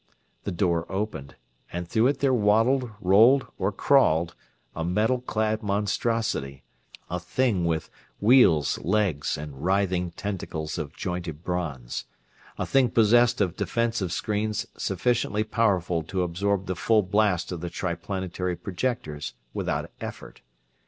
The door opened, and through it there waddled, rolled, or crawled a metal clad monstrosity a thing with wheels, legs, and writhing tentacles of jointed bronze; a thing possessed of defensive screens sufficiently powerful to absorb the full blast of the Triplanetary projectors without effort.